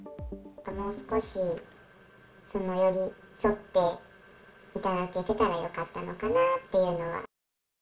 もう少し寄り添っていただけてたらよかったのかなっていうのは。